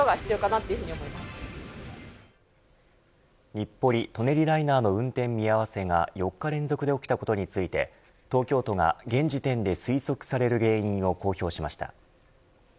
日暮里・舎人ライナーの運転見合わせが４日連続で起きたことについて東京都が現時点で推測される原因を公表しました。